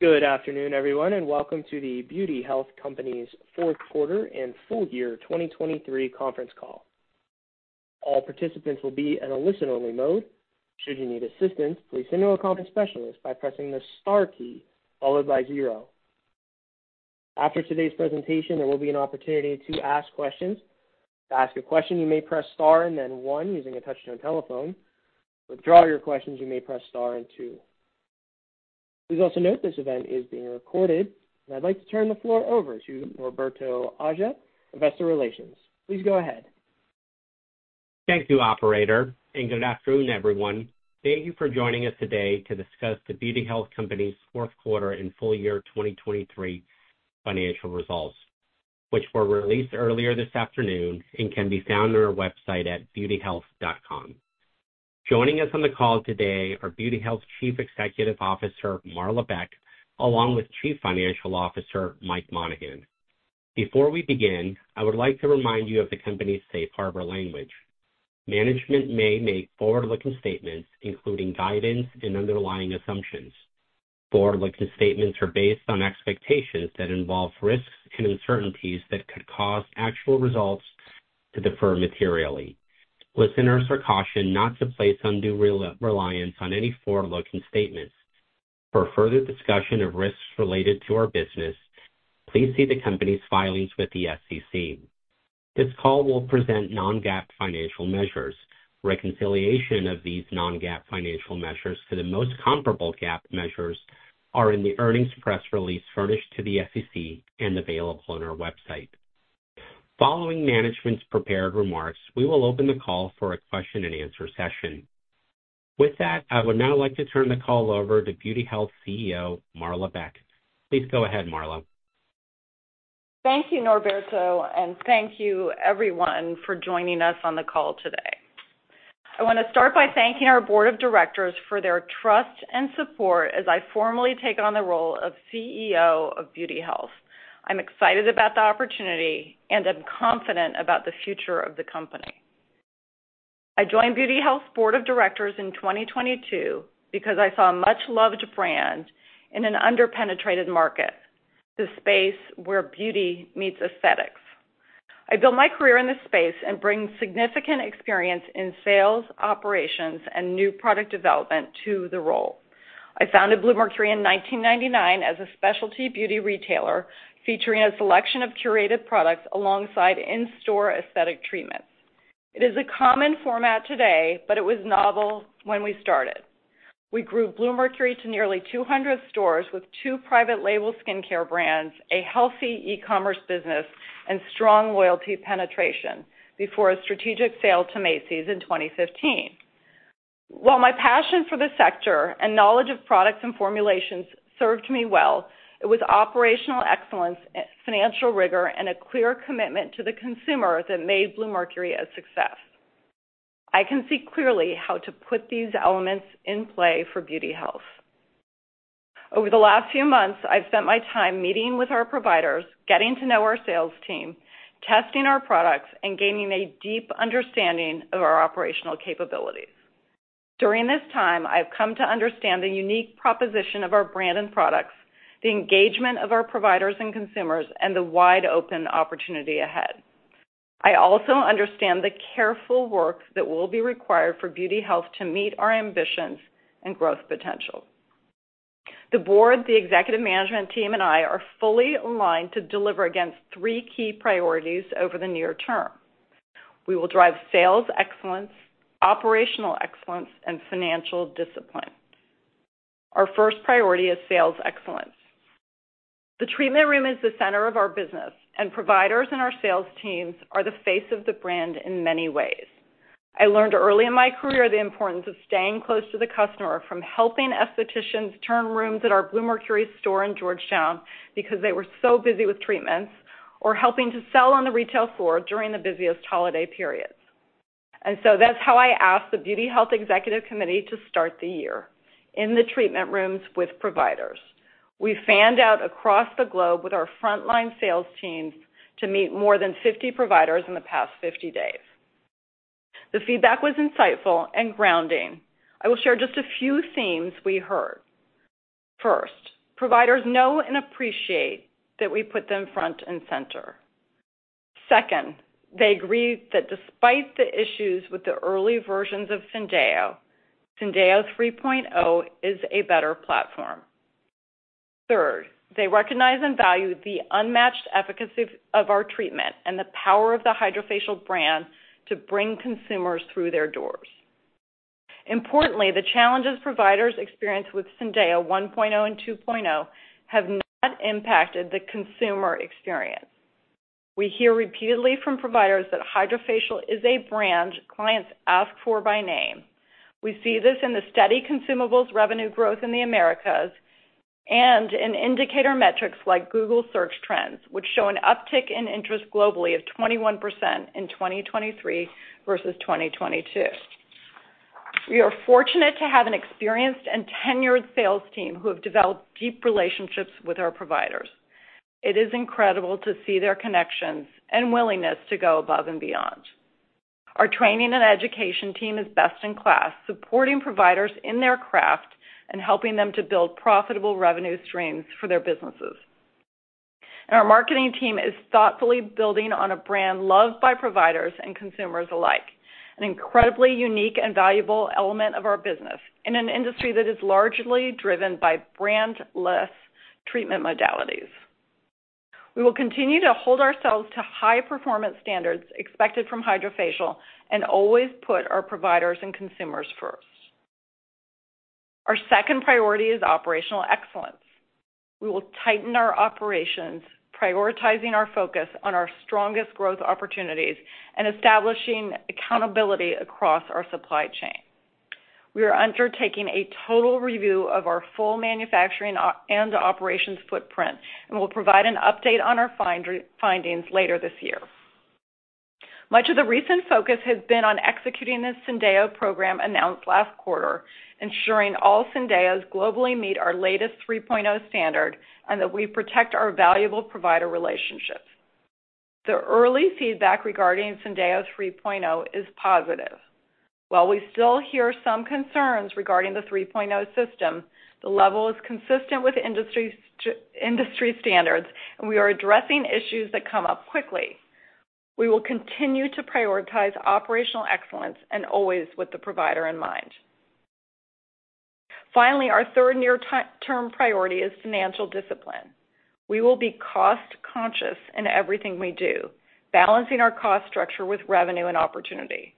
Good afternoon, everyone, and welcome to The Beauty Health Company’s fourth quarter and full year 2023 conference call. All participants will be in a listen-only mode. Should you need assistance, please contact our conference specialist by pressing the star key followed by zero. After today’s presentation, there will be an opportunity to ask questions. To ask a question, you may press star and then one using a touch-tone telephone. To withdraw your questions, you may press star and two. Please also note this event is being recorded, and I’d like to turn the floor over to Norberto Aja, Investor Relations. Please go ahead. Thank you, operator, and good afternoon, everyone. Thank you for joining us today to discuss the Beauty Health Company's Fourth Quarter and Full Year 2023 Financial Results, which were released earlier this afternoon and can be found on our website at beautyhealth.com. Joining us on the call today are BeautyHealth Chief Executive Officer Marla Beck along with Chief Financial Officer Mike Monahan. Before we begin, I would like to remind you of the company's safe harbor language. Management may make forward-looking statements including guidance and underlying assumptions. Forward-looking statements are based on expectations that involve risks and uncertainties that could cause actual results to differ materially. Listeners are cautioned not to place undue reliance on any forward-looking statements. For further discussion of risks related to our business, please see the company's filings with the SEC. This call will present non-GAAP financial measures. Reconciliation of these non-GAAP financial measures to the most comparable GAAP measures are in the earnings press release furnished to the SEC and available on our website. Following management's prepared remarks, we will open the call for a question-and-answer session. With that, I would now like to turn the call over to BeautyHealth CEO Marla Beck. Please go ahead, Marla. Thank you, Norberto, and thank you, everyone, for joining us on the call today. I want to start by thanking our board of directors for their trust and support as I formally take on the role of CEO of BeautyHealth. I'm excited about the opportunity and I'm confident about the future of the company. I joined BeautyHealth's board of directors in 2022 because I saw a much-loved brand in an under-penetrated market, the space where beauty meets aesthetics. I built my career in this space and bring significant experience in sales, operations, and new product development to the role. I founded Bluemercury in 1999 as a specialty beauty retailer featuring a selection of curated products alongside in-store aesthetic treatments. It is a common format today, but it was novel when we started. We grew Bluemercury to nearly 200 stores with two private label skincare brands, a healthy e-commerce business, and strong loyalty penetration before a strategic sale to Macy's in 2015. While my passion for the sector and knowledge of products and formulations served me well, it was operational excellence, financial rigor, and a clear commitment to the consumer that made Bluemercury a success. I can see clearly how to put these elements in play for BeautyHealth. Over the last few months, I've spent my time meeting with our providers, getting to know our sales team, testing our products, and gaining a deep understanding of our operational capabilities. During this time, I've come to understand the unique proposition of our brand and products, the engagement of our providers and consumers, and the wide open opportunity ahead. I also understand the careful work that will be required for BeautyHealth to meet our ambitions and growth potential. The board, the executive management team, and I are fully aligned to deliver against three key priorities over the near term. We will drive sales excellence, operational excellence, and financial discipline. Our first priority is sales excellence. The treatment room is the center of our business, and providers and our sales teams are the face of the brand in many ways. I learned early in my career the importance of staying close to the customer from helping estheticians turn rooms at our Bluemercury store in Georgetown because they were so busy with treatments, or helping to sell on the retail floor during the busiest holiday periods. And so that's how I asked the BeautyHealth Executive Committee to start the year: in the treatment rooms with providers. We fanned out across the globe with our frontline sales teams to meet more than 50 providers in the past 50 days. The feedback was insightful and grounding. I will share just a few themes we heard. First, providers know and appreciate that we put them front and center. Second, they agree that despite the issues with the early versions of Syndeo, Syndeo 3.0 is a better platform. Third, they recognize and value the unmatched efficacy of our treatment and the power of the HydraFacial brand to bring consumers through their doors. Importantly, the challenges providers experience with Syndeo 1.0 and 2.0 have not impacted the consumer experience. We hear repeatedly from providers that HydraFacial is a brand clients ask for by name. We see this in the steady consumables revenue growth in the Americas and in indicator metrics like Google Search Trends, which show an uptick in interest globally of 21% in 2023 versus 2022. We are fortunate to have an experienced and tenured sales team who have developed deep relationships with our providers. It is incredible to see their connections and willingness to go above and beyond. Our training and education team is best in class, supporting providers in their craft and helping them to build profitable revenue streams for their businesses. Our marketing team is thoughtfully building on a brand loved by providers and consumers alike, an incredibly unique and valuable element of our business in an industry that is largely driven by brandless treatment modalities. We will continue to hold ourselves to high performance standards expected from HydraFacial and always put our providers and consumers first. Our second priority is operational excellence. We will tighten our operations, prioritizing our focus on our strongest growth opportunities and establishing accountability across our supply chain. We are undertaking a total review of our full manufacturing and operations footprint and will provide an update on our findings later this year. Much of the recent focus has been on executing the Syndeo program announced last quarter, ensuring all Syndeos globally meet our latest 3.0 standard and that we protect our valuable provider relationships. The early feedback regarding Syndeo 3.0 is positive. While we still hear some concerns regarding the 3.0 system, the level is consistent with industry standards, and we are addressing issues that come up quickly. We will continue to prioritize operational excellence and always with the provider in mind. Finally, our third near-term priority is financial discipline. We will be cost-conscious in everything we do, balancing our cost structure with revenue and opportunity.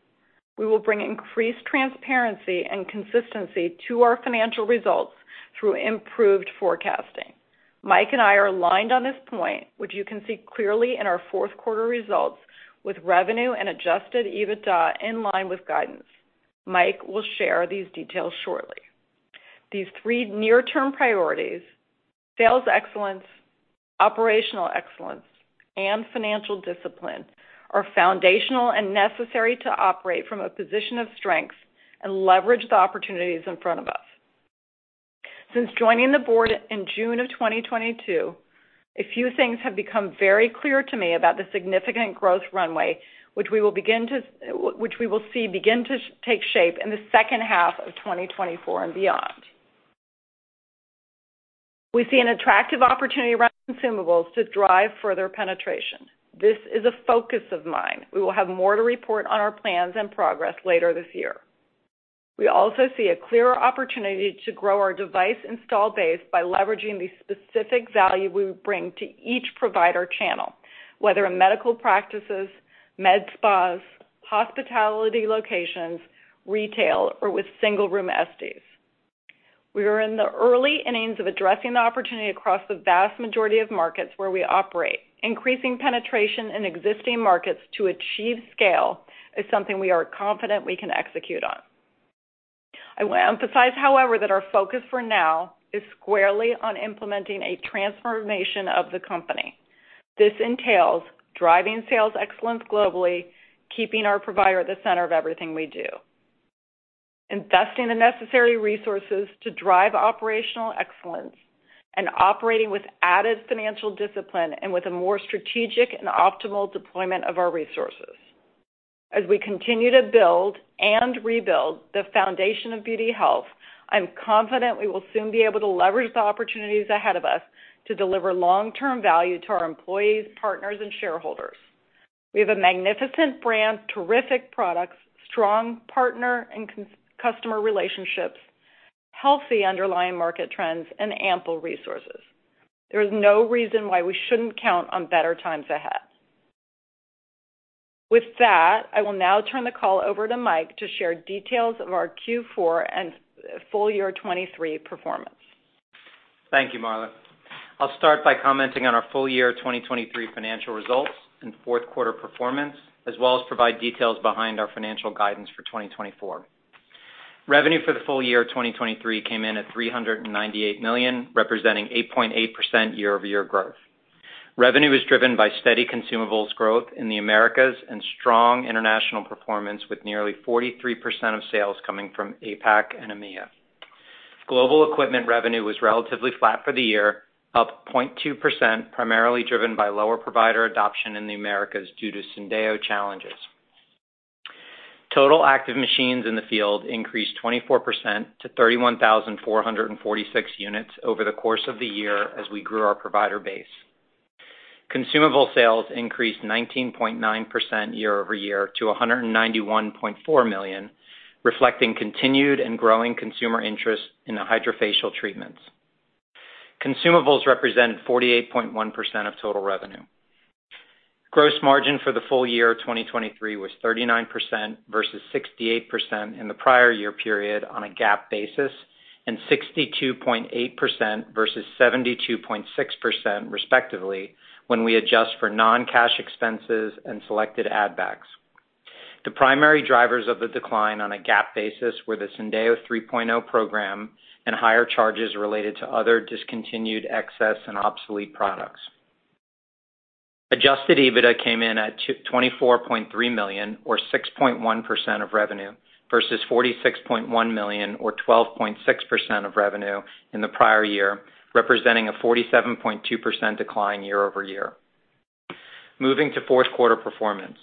We will bring increased transparency and consistency to our financial results through improved forecasting. Mike and I are aligned on this point, which you can see clearly in our fourth quarter results with revenue and Adjusted EBITDA in line with guidance. Mike will share these details shortly. These three near-term priorities: sales excellence, operational excellence, and financial discipline are foundational and necessary to operate from a position of strength and leverage the opportunities in front of us. Since joining the board in June of 2022, a few things have become very clear to me about the significant growth runway which we will see begin to take shape in the second half of 2024 and beyond. We see an attractive opportunity around consumables to drive further penetration. This is a focus of mine. We will have more to report on our plans and progress later this year. We also see a clearer opportunity to grow our device install base by leveraging the specific value we bring to each provider channel, whether in medical practices, med spas, hospitality locations, retail, or with single-room SDs. We are in the early innings of addressing the opportunity across the vast majority of markets where we operate. Increasing penetration in existing markets to achieve scale is something we are confident we can execute on. I will emphasize, however, that our focus for now is squarely on implementing a transformation of the company. This entails driving sales excellence globally, keeping our provider at the center of everything we do, investing the necessary resources to drive operational excellence, and operating with added financial discipline and with a more strategic and optimal deployment of our resources. As we continue to build and rebuild the foundation of BeautyHealth, I'm confident we will soon be able to leverage the opportunities ahead of us to deliver long-term value to our employees, partners, and shareholders. We have a magnificent brand, terrific products, strong partner and customer relationships, healthy underlying market trends, and ample resources. There is no reason why we shouldn't count on better times ahead. With that, I will now turn the call over to Mike to share details of our Q4 and full year 2023 performance. Thank you, Marla. I'll start by commenting on our full year 2023 financial results and fourth quarter performance, as well as provide details behind our financial guidance for 2024. Revenue for the full year 2023 came in at $398 million, representing 8.8% year-over-year growth. Revenue was driven by steady consumables growth in the Americas and strong international performance with nearly 43% of sales coming from APAC and EMEA. Global equipment revenue was relatively flat for the year, up 0.2%, primarily driven by lower provider adoption in the Americas due to Syndeo challenges. Total active machines in the field increased 24% to 31,446 units over the course of the year as we grew our provider base. Consumable sales increased 19.9% year-over-year to $191.4 million, reflecting continued and growing consumer interest in the HydraFacial treatments. Consumables represented 48.1% of total revenue. Gross margin for the full year 2023 was 39% versus 68% in the prior year period on a GAAP basis and 62.8% versus 72.6%, respectively, when we adjust for non-cash expenses and selected add-backs. The primary drivers of the decline on a GAAP basis were the Syndeo 3.0 program and higher charges related to other discontinued, excess, and obsolete products. Adjusted EBITDA came in at $24.3 million, or 6.1% of revenue, versus $46.1 million, or 12.6% of revenue in the prior year, representing a 47.2% decline year-over-year. Moving to fourth quarter performance.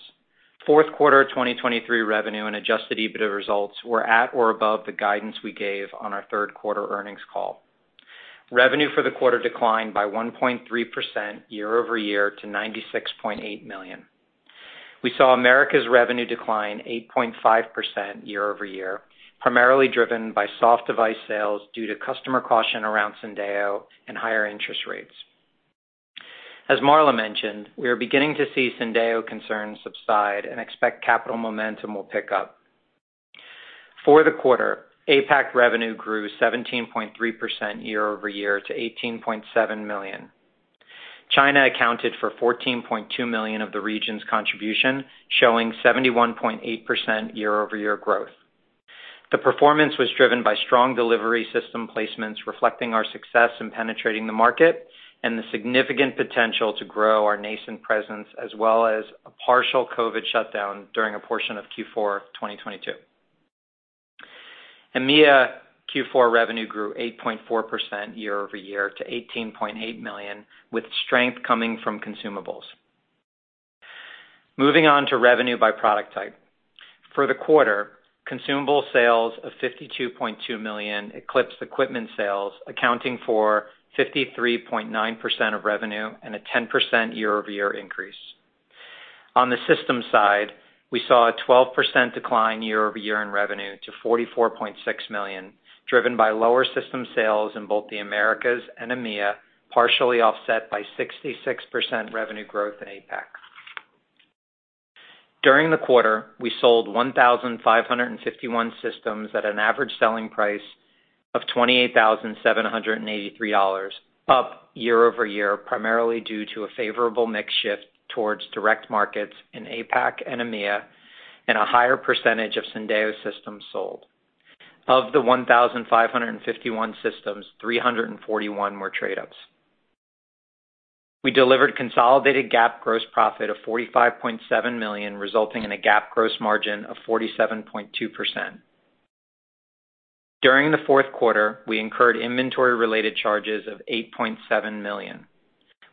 Fourth quarter 2023 revenue and adjusted EBITDA results were at or above the guidance we gave on our third quarter earnings call. Revenue for the quarter declined by 1.3% year-over-year to $96.8 million. We saw Americas revenue decline 8.5% year-over-year, primarily driven by soft device sales due to customer caution around Syndeo and higher interest rates. As Marla mentioned, we are beginning to see Syndeo concerns subside and expect capital momentum will pick up. For the quarter, APAC revenue grew 17.3% year-over-year to $18.7 million. China accounted for $14.2 million of the region's contribution, showing 71.8% year-over-year growth. The performance was driven by strong delivery system placements reflecting our success in penetrating the market and the significant potential to grow our nascent presence, as well as a partial COVID shutdown during a portion of Q4 2022. EMEA Q4 revenue grew 8.4% year-over-year to $18.8 million, with strength coming from consumables. Moving on to revenue by product type. For the quarter, consumable sales of $52.2 million eclipsed equipment sales, accounting for 53.9% of revenue and a 10% year-over-year increase. On the system side, we saw a 12% decline year-over-year in revenue to $44.6 million, driven by lower system sales in both the Americas and EMEA, partially offset by 66% revenue growth in APAC. During the quarter, we sold 1,551 systems at an average selling price of $28,783, up year-over-year, primarily due to a favorable mix shift towards direct markets in APAC and EMEA and a higher percentage of Syndeo systems sold. Of the 1,551 systems, 341 were trade-ups. We delivered consolidated GAAP gross profit of $45.7 million, resulting in a GAAP gross margin of 47.2%. During the fourth quarter, we incurred inventory-related charges of $8.7 million.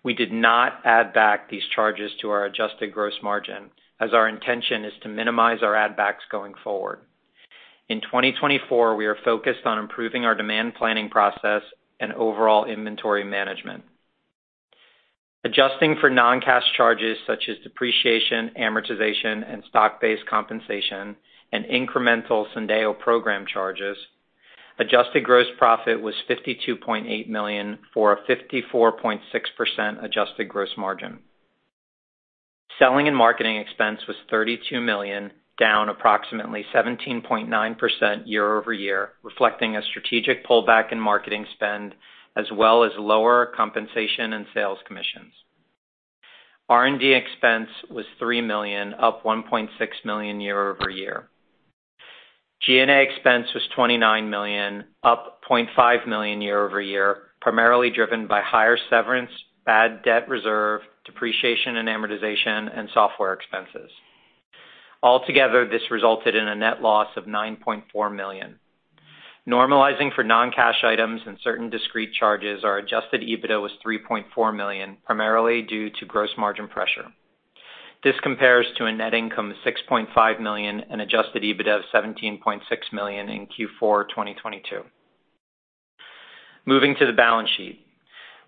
We did not add back these charges to our adjusted gross margin, as our intention is to minimize our add-backs going forward. In 2024, we are focused on improving our demand planning process and overall inventory management. Adjusting for non-cash charges such as depreciation, amortization, and stock-based compensation, and incremental Syndeo program charges, adjusted gross profit was $52.8 million for a 54.6% adjusted gross margin. Selling and marketing expense was $32 million, down approximately 17.9% year-over-year, reflecting a strategic pullback in marketing spend as well as lower compensation and sales commissions. R&D expense was $3 million, up $1.6 million year-over-year. G&A expense was $29 million, up $0.5 million year-over-year, primarily driven by higher severance, bad debt reserve, depreciation and amortization, and software expenses. Altogether, this resulted in a net loss of $9.4 million. Normalizing for non-cash items and certain discrete charges, our adjusted EBITDA was $3.4 million, primarily due to gross margin pressure. This compares to a net income of $6.5 million and adjusted EBITDA of $17.6 million in Q4 2022. Moving to the balance sheet.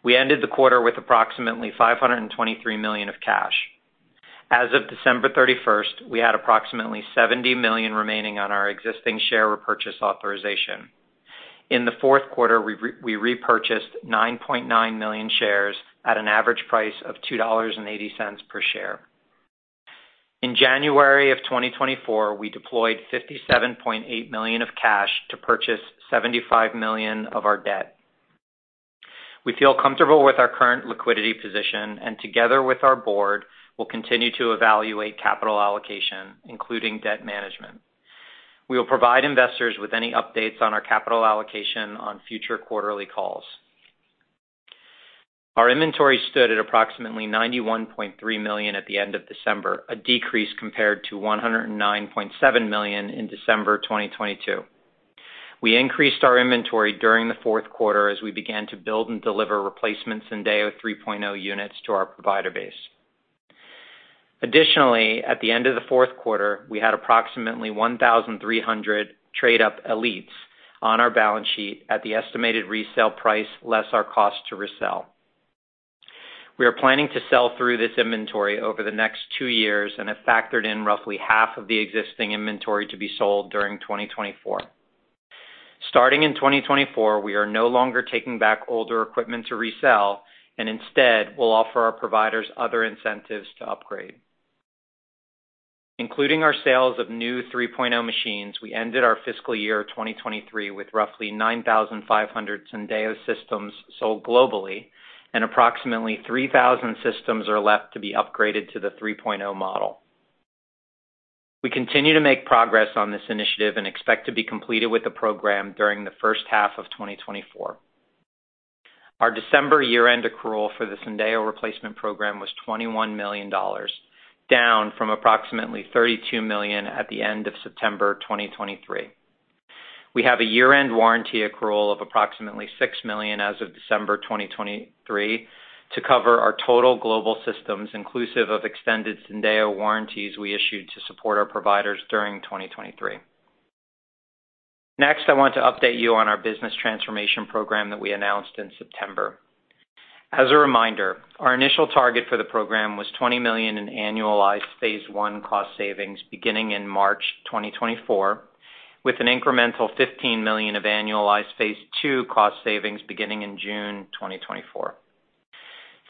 We ended the quarter with approximately $523 million of cash. As of December 31st, we had approximately $70 million remaining on our existing share repurchase authorization. In the fourth quarter, we repurchased 9.9 million shares at an average price of $2.80 per share. In January of 2024, we deployed $57.8 million of cash to purchase $75 million of our debt. We feel comfortable with our current liquidity position, and together with our board, we'll continue to evaluate capital allocation, including debt management. We will provide investors with any updates on our capital allocation on future quarterly calls. Our inventory stood at approximately $91.3 million at the end of December, a decrease compared to $109.7 million in December 2022. We increased our inventory during the fourth quarter as we began to build and deliver replacement Syndeo 3.0 units to our provider base. Additionally, at the end of the fourth quarter, we had approximately 1,300 trade-up Elites on our balance sheet at the estimated resale price less our cost to resell. We are planning to sell through this inventory over the next two years and have factored in roughly half of the existing inventory to be sold during 2024. Starting in 2024, we are no longer taking back older equipment to resell, and instead, we'll offer our providers other incentives to upgrade. Including our sales of new 3.0 machines, we ended our fiscal year 2023 with roughly 9,500 Syndeo systems sold globally, and approximately 3,000 systems are left to be upgraded to the 3.0 model. We continue to make progress on this initiative and expect to be completed with the program during the first half of 2024. Our December year-end accrual for the Syndeo replacement program was $21 million, down from approximately $32 million at the end of September 2023. We have a year-end warranty accrual of approximately $6 million as of December 2023 to cover our total global systems, inclusive of extended Syndeo warranties we issued to support our providers during 2023. Next, I want to update you on our business transformation program that we announced in September. As a reminder, our initial target for the program was $20 million in annualized phase I cost savings beginning in March 2024, with an incremental $15 million of annualized phase II cost savings beginning in June 2024.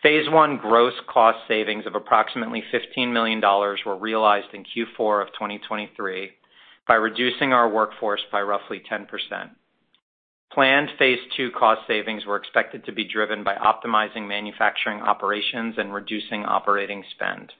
Phase I gross cost savings of approximately $15 million were realized in Q4 of 2023 by reducing our workforce by roughly 10%. Planned phase II cost savings were expected to be driven by optimizing manufacturing operations and reducing operating spend.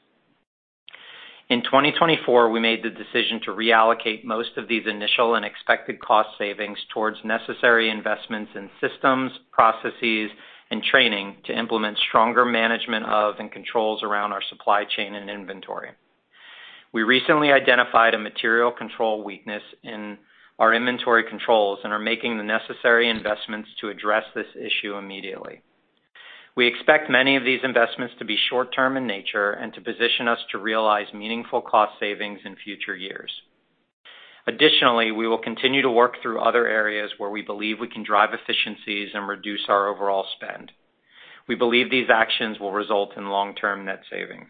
In 2024, we made the decision to reallocate most of these initial and expected cost savings towards necessary investments in systems, processes, and training to implement stronger management of and controls around our supply chain and inventory. We recently identified a material weakness in our inventory controls and are making the necessary investments to address this issue immediately. We expect many of these investments to be short-term in nature and to position us to realize meaningful cost savings in future years. Additionally, we will continue to work through other areas where we believe we can drive efficiencies and reduce our overall spend. We believe these actions will result in long-term net savings.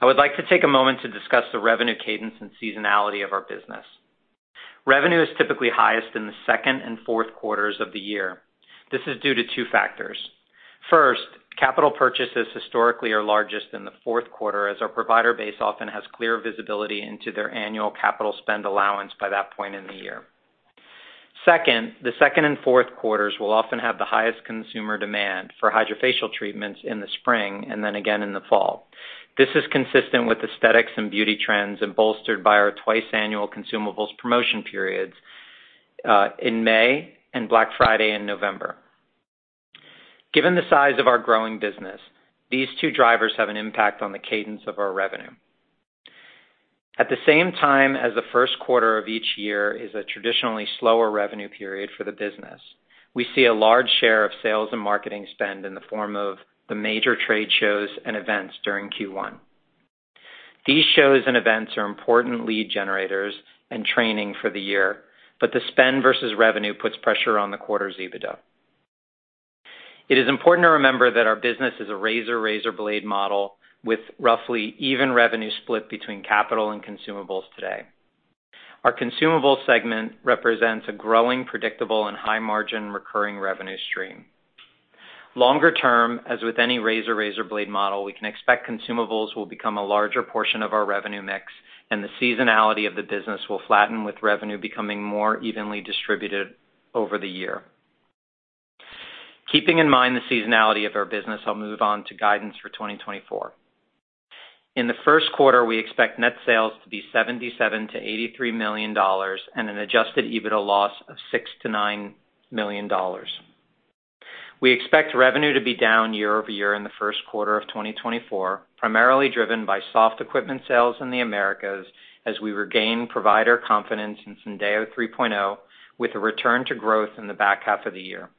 I would like to take a moment to discuss the revenue cadence and seasonality of our business. Revenue is typically highest in the second and fourth quarters of the year. This is due to two factors. First, capital purchases historically are largest in the fourth quarter, as our provider base often has clear visibility into their annual capital spend allowance by that point in the year. Second, the second and fourth quarters will often have the highest consumer demand for HydraFacial treatments in the spring and then again in the fall. This is consistent with aesthetics and beauty trends bolstered by our twice-annual consumables promotion periods in May and Black Friday in November. Given the size of our growing business, these two drivers have an impact on the cadence of our revenue. At the same time as the first quarter of each year is a traditionally slower revenue period for the business, we see a large share of sales and marketing spend in the form of the major trade shows and events during Q1. These shows and events are important lead generators and training for the year, but the spend versus revenue puts pressure on the quarter's EBITDA. It is important to remember that our business is a razor-razorblade model with roughly even revenue split between capital and consumables today. Our consumables segment represents a growing, predictable, and high-margin recurring revenue stream. Longer term, as with any razor-razorblade model, we can expect consumables will become a larger portion of our revenue mix, and the seasonality of the business will flatten with revenue becoming more evenly distributed over the year. Keeping in mind the seasonality of our business, I'll move on to guidance for 2024. In the first quarter, we expect net sales to be $77-$83 million and an adjusted EBITDA loss of $6-$9 million. We expect revenue to be down year-over-year in the first quarter of 2024, primarily driven by soft equipment sales in the Americas as we regain provider confidence in Syndeo 3.0 with a return to growth in the back half of the year.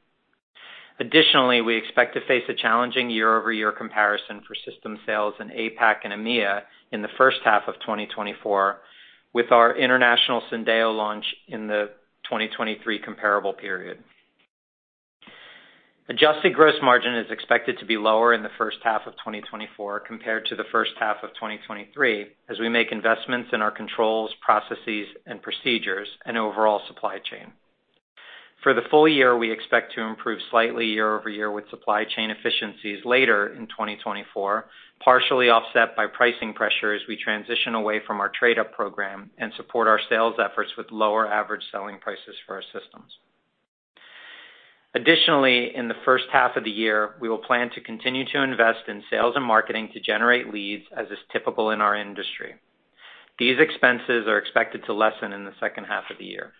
Additionally, we expect to face a challenging year-over-year comparison for system sales in APAC and EMEA in the first half of 2024, with our international Syndeo launch in the 2023 comparable period. Adjusted gross margin is expected to be lower in the first half of 2024 compared to the first half of 2023 as we make investments in our controls, processes, and procedures, and overall supply chain. For the full year, we expect to improve slightly year-over-year with supply chain efficiencies later in 2024, partially offset by pricing pressure as we transition away from our trade-up program and support our sales efforts with lower average selling prices for our systems. Additionally, in the first half of the year, we will plan to continue to invest in sales and marketing to generate leads, as is typical in our industry. These expenses are expected to lessen in the second half of the year.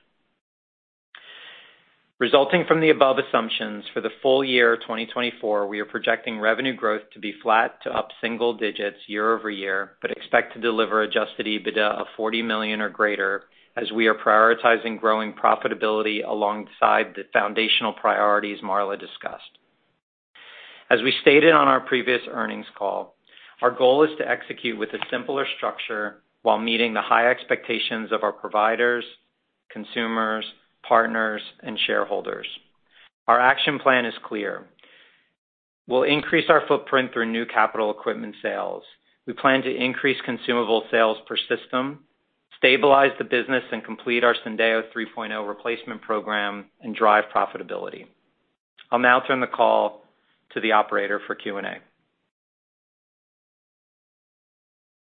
Resulting from the above assumptions, for the full year 2024, we are projecting revenue growth to be flat to up single digits year-over-year but expect to deliver adjusted EBITDA of $40 million or greater as we are prioritizing growing profitability alongside the foundational priorities Marla discussed. As we stated on our previous earnings call, our goal is to execute with a simpler structure while meeting the high expectations of our providers, consumers, partners, and shareholders. Our action plan is clear. We'll increase our footprint through new capital equipment sales. We plan to increase consumable sales per system, stabilize the business and complete our Syndeo 3.0 replacement program, and drive profitability. I'll now turn the call to the operator for Q&A.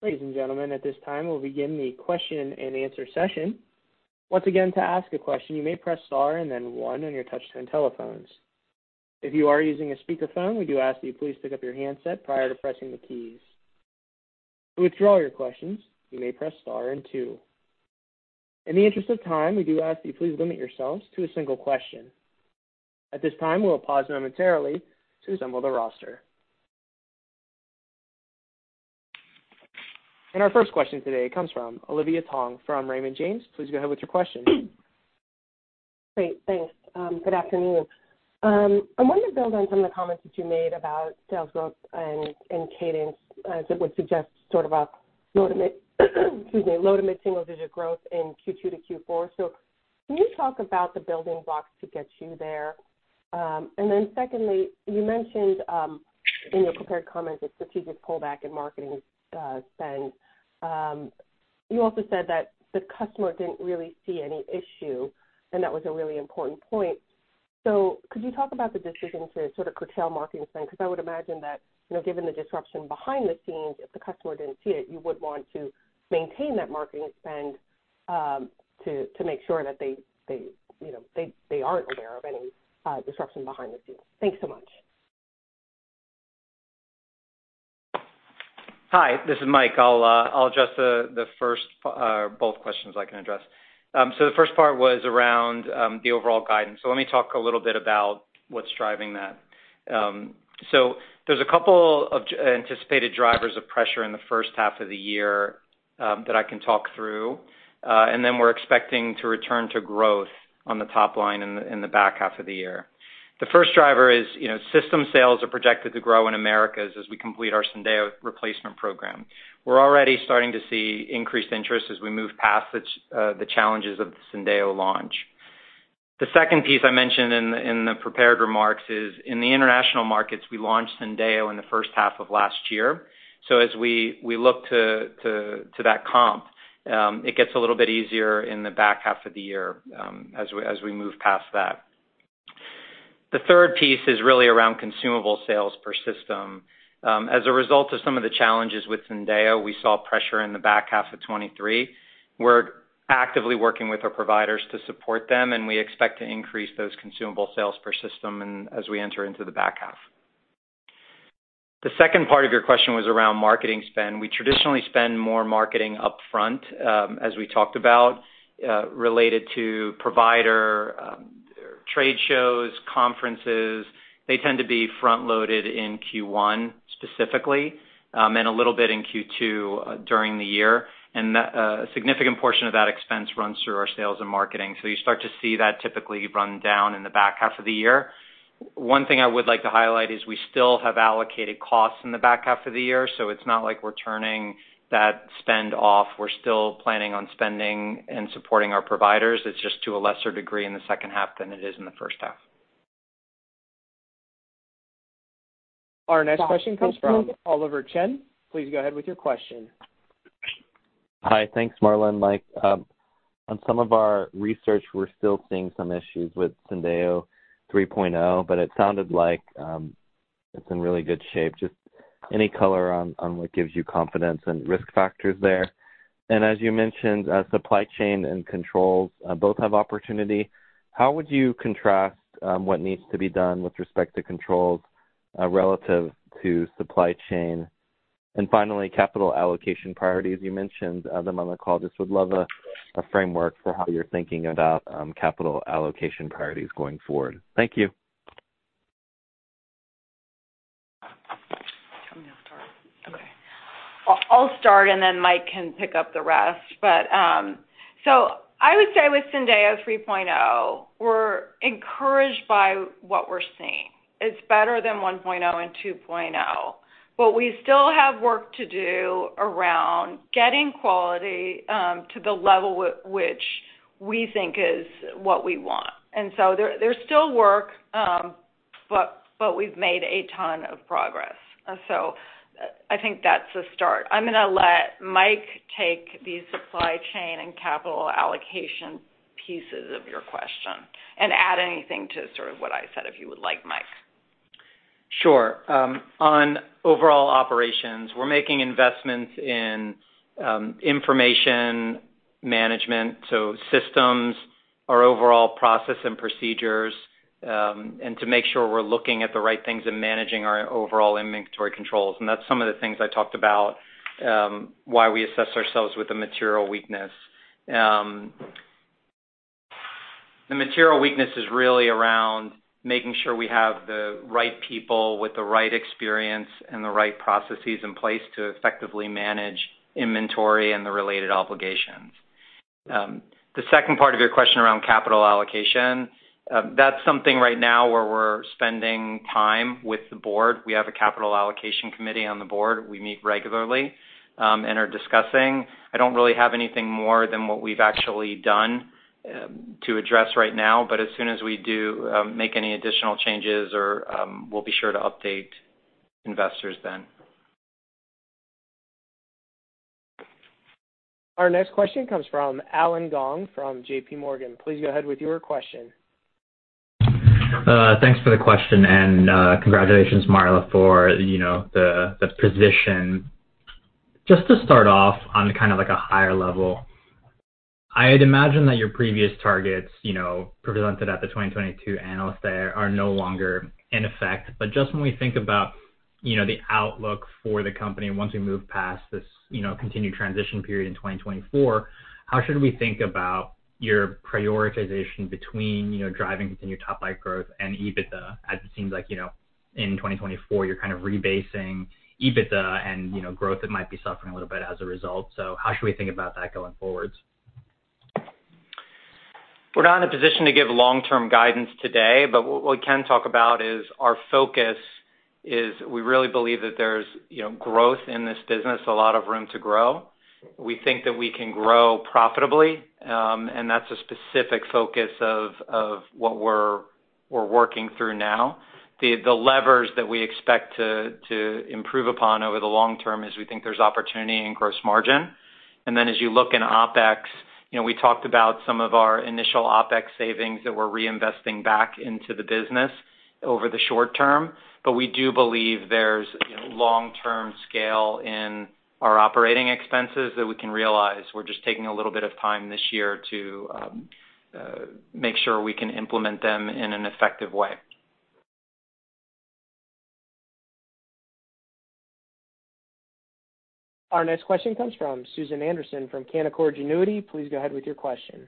Ladies and gentlemen, at this time, we'll begin the question and answer session. Once again, to ask a question, you may press star and then one on your touchscreen telephones. If you are using a speakerphone, we do ask that you please pick up your handset prior to pressing the keys. To withdraw your questions, you may press star and two. In the interest of time, we do ask that you please limit yourselves to a single question. At this time, we'll pause momentarily to assemble the roster. Our first question today comes from Olivia Tong from Raymond James. Please go ahead with your question. Great. Thanks. Good afternoon. I wanted to build on some of the comments that you made about sales growth and cadence as it would suggest sort of a low-to-mid, excuse me, low-to-mid single-digit growth in Q2 to Q4. So can you talk about the building blocks to get you there? And then secondly, you mentioned in your prepared comments a strategic pullback in marketing spend. You also said that the customer didn't really see any issue, and that was a really important point. So could you talk about the decision to sort of curtail marketing spend? Because I would imagine that given the disruption behind the scenes, if the customer didn't see it, you would want to maintain that marketing spend to make sure that they aren't aware of any disruption behind the scenes. Thanks so much. Hi. This is Mike. I'll address both questions I can address. So the first part was around the overall guidance. So let me talk a little bit about what's driving that. So there's a couple of anticipated drivers of pressure in the first half of the year that I can talk through, and then we're expecting to return to growth on the top line in the back half of the year. The first driver is system sales are projected to grow in Americas as we complete our Syndeo replacement program. We're already starting to see increased interest as we move past the challenges of the Syndeo launch. The second piece I mentioned in the prepared remarks is in the international markets, we launched Syndeo in the first half of last year. So as we look to that comp, it gets a little bit easier in the back half of the year as we move past that. The third piece is really around consumable sales per system. As a result of some of the challenges with Syndeo, we saw pressure in the back half of 2023. We're actively working with our providers to support them, and we expect to increase those consumable sales per system as we enter into the back half. The second part of your question was around marketing spend. We traditionally spend more marketing upfront, as we talked about, related to provider trade shows, conferences. They tend to be front-loaded in Q1 specifically and a little bit in Q2 during the year. And a significant portion of that expense runs through our sales and marketing. So you start to see that typically run down in the back half of the year. One thing I would like to highlight is we still have allocated costs in the back half of the year, so it's not like we're turning that spend off. We're still planning on spending and supporting our providers. It's just to a lesser degree in the second half than it is in the first half. Our next question comes from Oliver Chen. Please go ahead with your question. Hi. Thanks, Marla and Mike. On some of our research, we're still seeing some issues with Syndeo 3.0, but it sounded like it's in really good shape. Just any color on what gives you confidence and risk factors there? And as you mentioned, supply chain and controls both have opportunity. How would you contrast what needs to be done with respect to controls relative to supply chain? And finally, capital allocation priorities. You mentioned them on the call. Just would love a framework for how you're thinking about capital allocation priorities going forward. Thank you. I'll start, and then Mike can pick up the rest. So I would say with Syndeo 3.0, we're encouraged by what we're seeing. It's better than 1.0 and 2.0, but we still have work to do around getting quality to the level at which we think is what we want. And so there's still work, but we've made a ton of progress. So I think that's a start. I'm going to let Mike take these supply chain and capital allocation pieces of your question and add anything to sort of what I said if you would like, Mike. Sure. On overall operations, we're making investments in information management, so systems, our overall process and procedures, and to make sure we're looking at the right things and managing our overall inventory controls. And that's some of the things I talked about, why we assess ourselves with a Material Weakness. The Material Weakness is really around making sure we have the right people with the right experience and the right processes in place to effectively manage inventory and the related obligations. The second part of your question around capital allocation, that's something right now where we're spending time with the board. We have a capital allocation committee on the board. We meet regularly and are discussing. I don't really have anything more than what we've actually done to address right now, but as soon as we do make any additional changes, we'll be sure to update investors then. Our next question comes from Allen Gong from JPMorgan. Please go ahead with your question. Thanks for the question, and congratulations, Marla, for the position. Just to start off on kind of a higher level, I'd imagine that your previous targets presented at the 2022 analyst day are no longer in effect. But just when we think about the outlook for the company once we move past this continued transition period in 2024, how should we think about your prioritization between driving continued top-line growth and EBITDA? As it seems like in 2024, you're kind of rebasing EBITDA and growth that might be suffering a little bit as a result. So how should we think about that going forward? We're not in a position to give long-term guidance today, but what we can talk about is our focus is we really believe that there's growth in this business, a lot of room to grow. We think that we can grow profitably, and that's a specific focus of what we're working through now. The levers that we expect to improve upon over the long term is we think there's opportunity and gross margin. And then as you look in OpEx, we talked about some of our initial OpEx savings that we're reinvesting back into the business over the short term, but we do believe there's long-term scale in our operating expenses that we can realize. We're just taking a little bit of time this year to make sure we can implement them in an effective way. Our next question comes from Susan Anderson from Canaccord Genuity. Please go ahead with your question.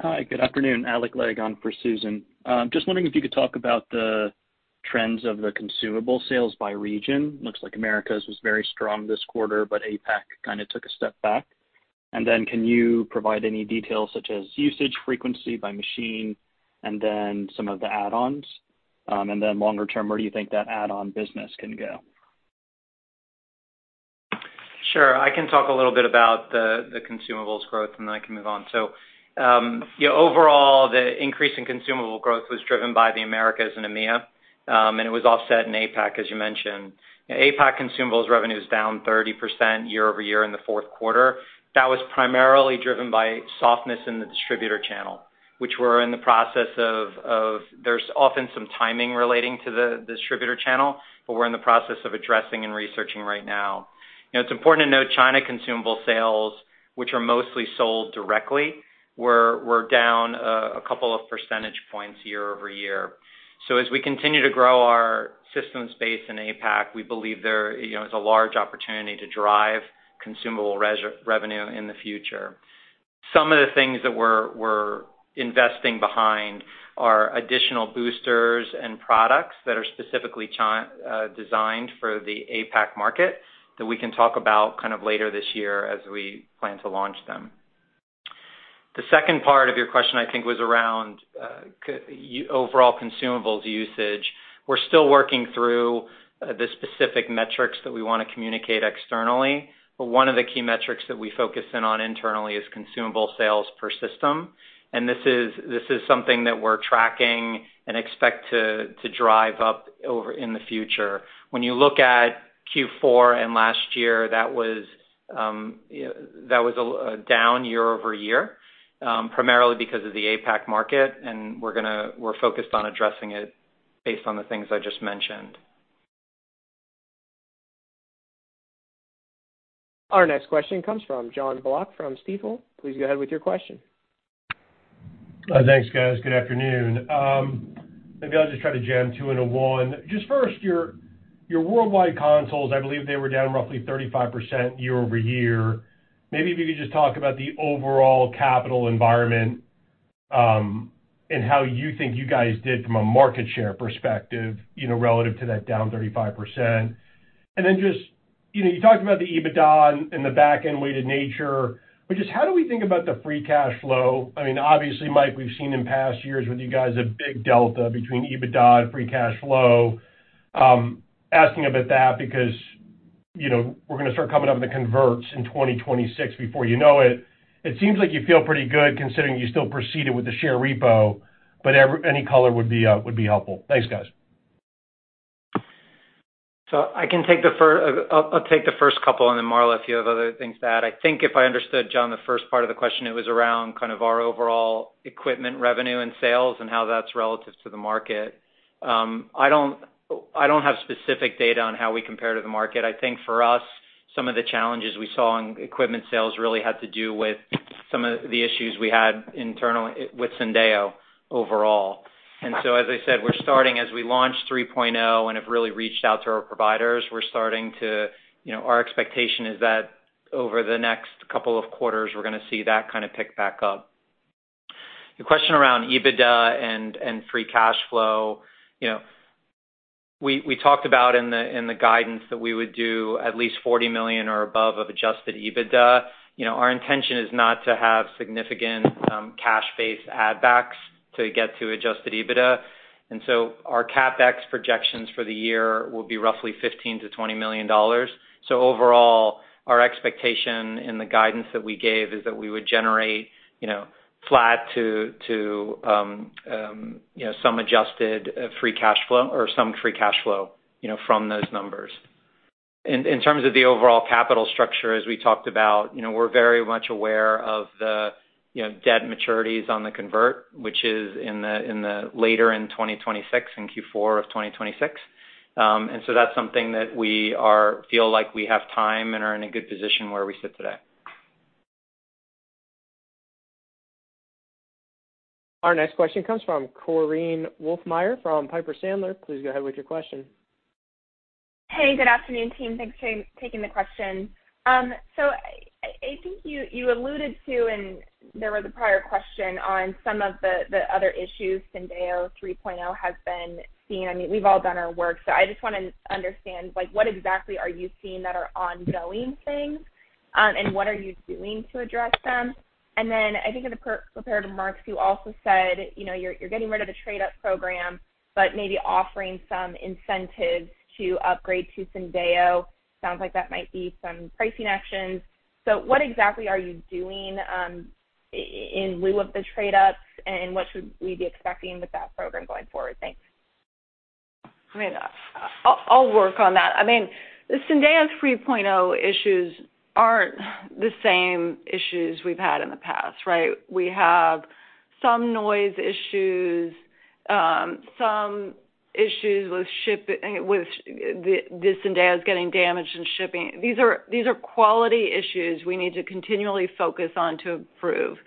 Hi. Good afternoon. Alec Legg for Susan. Just wondering if you could talk about the trends of the consumable sales by region. Looks like Americas was very strong this quarter, but APAC kind of took a step back. And then can you provide any details such as usage, frequency by machine, and then some of the add-ons? And then longer term, where do you think that add-on business can go? Sure. I can talk a little bit about the consumables growth, and then I can move on. So overall, the increase in consumable growth was driven by the Americas and EMEA, and it was offset in APAC, as you mentioned. APAC consumables revenue is down 30% year over year in the fourth quarter. That was primarily driven by softness in the distributor channel, which we're in the process of. There's often some timing relating to the distributor channel, but we're in the process of addressing and researching right now. It's important to note China consumable sales, which are mostly sold directly, were down a couple of percentage points year over year. So as we continue to grow our systems base in APAC, we believe there is a large opportunity to drive consumable revenue in the future. Some of the things that we're investing behind are additional boosters and products that are specifically designed for the APAC market that we can talk about kind of later this year as we plan to launch them. The second part of your question, I think, was around overall consumables usage. We're still working through the specific metrics that we want to communicate externally, but one of the key metrics that we focus in on internally is consumable sales per system. This is something that we're tracking and expect to drive up in the future. When you look at Q4 and last year, that was a down year-over-year primarily because of the APAC market, and we're focused on addressing it based on the things I just mentioned. Our next question comes from John Block from Stifel. Please go ahead with your question. Thanks, guys. Good afternoon. Maybe I'll just try to jam two into one. Just first, your worldwide systems, I believe they were down roughly 35% year over year. Maybe if you could just talk about the overall capital environment and how you think you guys did from a market share perspective relative to that down 35%. And then just you talked about the EBITDA in the back-end weighted nature, but just how do we think about the free cash flow? I mean, obviously, Mike, we've seen in past years with you guys a big delta between EBITDA and free cash flow. Asking about that because we're going to start coming up with the converts in 2026 before you know it. It seems like you feel pretty good considering you still proceeded with the share repo, but any color would be helpful. Thanks, guys. So I'll take the first couple, and then Marla, if you have other things to add. I think if I understood, John, the first part of the question, it was around kind of our overall equipment revenue and sales and how that's relative to the market. I don't have specific data on how we compare to the market. I think for us, some of the challenges we saw in equipment sales really had to do with some of the issues we had internally with Syndeo overall. And so as I said, we're starting as we launched 3.0 and have really reached out to our providers, we're starting to our expectation is that over the next couple of quarters, we're going to see that kind of pick back up. Your question around EBITDA and free cash flow, we talked about in the guidance that we would do at least $40 million or above of adjusted EBITDA. Our intention is not to have significant cash-based add-backs to get to adjusted EBITDA. And so our CapEx projections for the year will be roughly $15 million-$20 million. So overall, our expectation in the guidance that we gave is that we would generate flat to some adjusted free cash flow or some free cash flow from those numbers. In terms of the overall capital structure, as we talked about, we're very much aware of the debt maturities on the convert, which is in the later in 2026, in Q4 of 2026. And so that's something that we feel like we have time and are in a good position where we sit today. Our next question comes from Korinne Wolfmeyer from Piper Sandler. Please go ahead with your question. Hey. Good afternoon, team. Thanks for taking the question. So I think you alluded to, and there was a prior question, on some of the other issues Syndeo 3.0 has been seeing. I mean, we've all done our work, so I just want to understand what exactly are you seeing that are ongoing things, and what are you doing to address them? And then I think in the prepared remarks, you also said you're getting rid of the Trade-Up Program but maybe offering some incentives to upgrade to Syndeo. Sounds like that might be some pricing actions. So what exactly are you doing in lieu of the trade-ups, and what should we be expecting with that program going forward? Thanks. I mean, I'll work on that. I mean, Syndeo's 3.0 issues aren't the same issues we've had in the past, right? We have some noise issues, some issues with the Syndeo's getting damaged and shipping. These are quality issues we need to continually focus on to improve,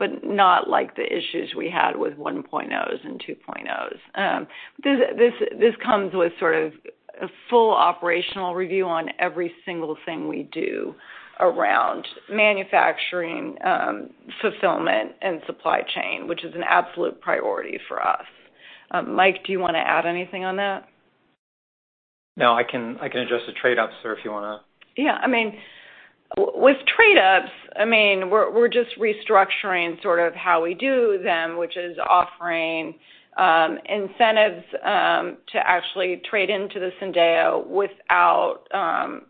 but not like the issues we had with 1.0s and 2.0s. This comes with sort of a full operational review on every single thing we do around manufacturing, fulfillment, and supply chain, which is an absolute priority for us. Mike, do you want to add anything on that? No, I can address the trade-ups, sir, if you want to. Yeah. I mean, with trade-ups, I mean, we're just restructuring sort of how we do them, which is offering incentives to actually trade into the Syndeo without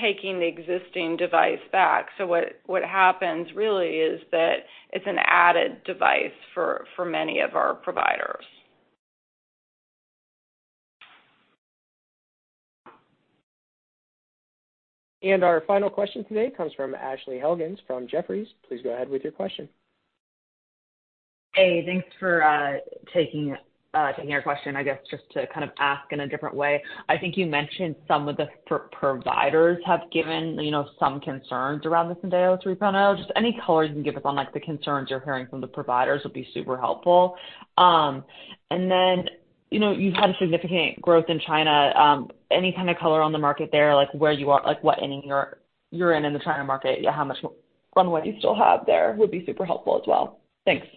taking the existing device back. So what happens really is that it's an added device for many of our providers. Our final question today comes from Ashley Helgans from Jefferies. Please go ahead with your question. Hey. Thanks for taking our question, I guess, just to kind of ask in a different way. I think you mentioned some of the providers have given some concerns around the Syndeo 3.0. Just any color you can give us on the concerns you're hearing from the providers would be super helpful. And then you've had a significant growth in China. Any kind of color on the market there, where you are, what ending you're in in the China market, how much runway you still have there would be super helpful as well. Thanks.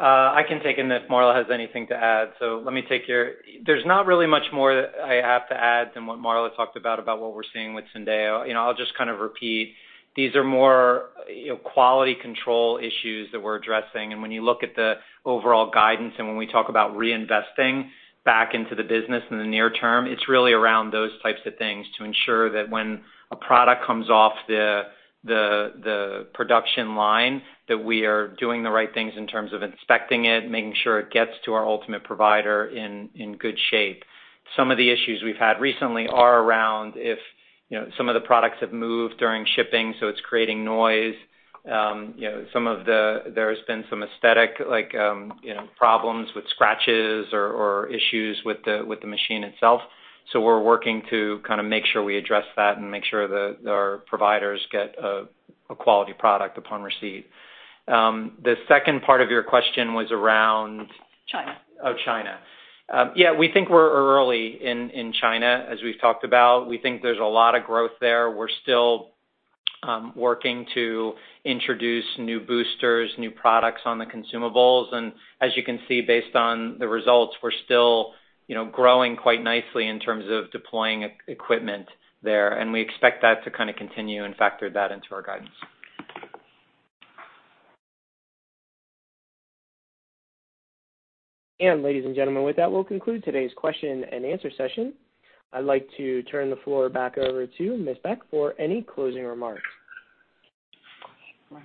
I can take it if Marla has anything to add. So let me take your question. There's not really much more that I have to add than what Marla talked about, about what we're seeing with Syndeo. I'll just kind of repeat. These are more quality control issues that we're addressing. And when you look at the overall guidance and when we talk about reinvesting back into the business in the near term, it's really around those types of things to ensure that when a product comes off the production line, that we are doing the right things in terms of inspecting it, making sure it gets to our ultimate provider in good shape. Some of the issues we've had recently are around if some of the products have moved during shipping, so it's creating noise. Some of them, there has been some aesthetic problems with scratches or issues with the machine itself. So we're working to kind of make sure we address that and make sure our providers get a quality product upon receipt. The second part of your question was around. China. Oh, China. Yeah, we think we're early in China, as we've talked about. We think there's a lot of growth there. We're still working to introduce new boosters, new products on the consumables. And as you can see, based on the results, we're still growing quite nicely in terms of deploying equipment there, and we expect that to kind of continue and factor that into our guidance. Ladies and gentlemen, with that, we'll conclude today's question and answer session. I'd like to turn the floor back over to Ms. Beck for any closing remarks. My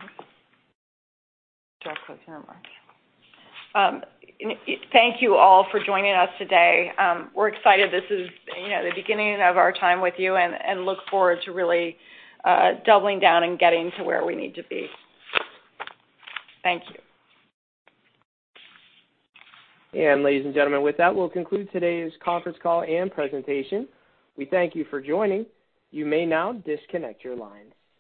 closing remarks. Thank you all for joining us today. We're excited. This is the beginning of our time with you and look forward to really doubling down and getting to where we need to be. Thank you. Ladies and gentlemen, with that, we'll conclude today's conference call and presentation. We thank you for joining. You may now disconnect your lines.